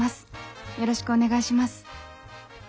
よろしくお願いします。